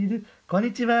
こんにちは。